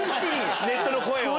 ネットの声を。